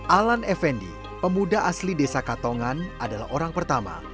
alan effendi pemuda asli desa katongan adalah orang pertama